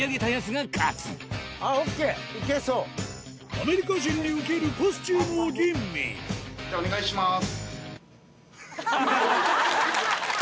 アメリカ人に受けるコスチュームを吟味じゃあお願いします。